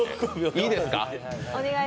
いいですか。